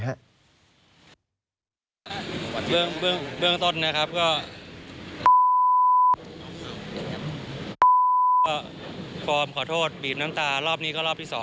เบื้องต้นน่ะครับก็